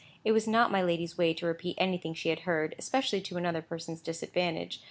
It was not my lady's way to repeat anything she had heard, especially to another person's disadvantage.